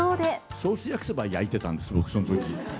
ソース焼きそば、焼いてたんです、僕、そのとき。